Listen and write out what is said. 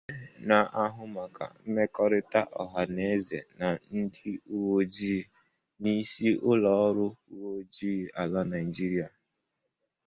onye na-ahụ maka mmekọrịta ọhaneze na ndị uweojii n'isi ụlọọrụ uweojii ala Nigeria